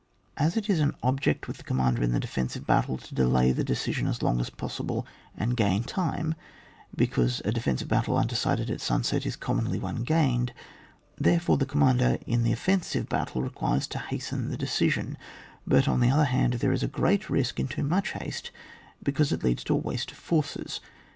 As it is an object with the commander in the defensive battle to delay the decision as long as possible, and gain time, because a defensive battle unde cided at sunset is commonly one gained : therefore the commander, in the offensive battle, requires to hasten the decision ; but, on the other hand, there is a great risk in too much haste, because it leads to a waste of forces.